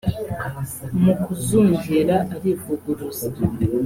mu kuzungera arivuguruza